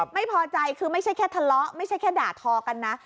ไม่พอใจคือไม่ใช่แค่ทะเลาะไม่ใช่แค่ด่าทอกันนะ